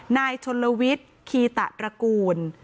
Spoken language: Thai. นายชนลวิทย์คีตะตระกูล